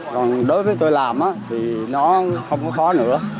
còn đối với tôi làm thì nó không có khó nữa